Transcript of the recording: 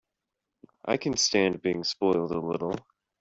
I can stand being spoiled a little.